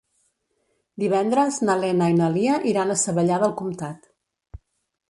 Divendres na Lena i na Lia iran a Savallà del Comtat.